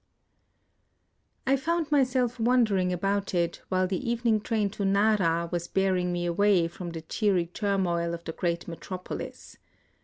I found myself wondering about it while the evening train to Nara was bearing me away from the cheery turmoil of the great metropolis.